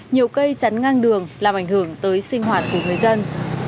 nhiều cây chắn ngang đường làm ảnh hưởng tới sinh hoạt của người dân